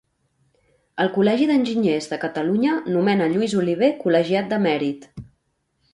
El Col·legi d'Enginyers de Catalunya nomena Lluís Oliver col·legiat de mèrit.